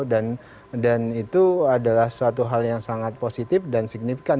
dan itu adalah suatu hal yang sangat positif dan signifikan